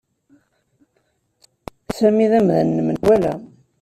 Sami d amdan n menwala.